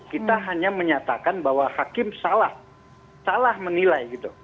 kita hanya menyatakan bahwa hakim salah salah menilai gitu